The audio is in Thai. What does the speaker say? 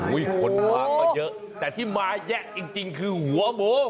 อุ้ยคนมากก็เยอะแต่ที่มาแยะจริงจริงคือหัวหมู